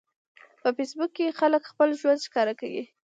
په فېسبوک کې خلک خپل ژوند ښکاره کوي.